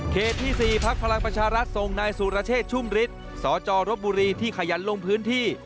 ที่๔พักพลังประชารัฐส่งนายสุรเชษชุ่มฤทธิ์สจรบบุรีที่ขยันลงพื้นที่